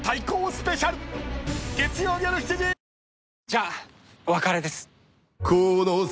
「じゃあお別れです」